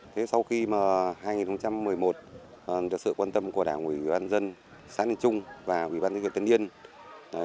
thế sau khi mà năm hai nghìn một mươi một được sự quan tâm của đảng ủy ban dân xã niên trung và ủy ban thí nghiệm tân niên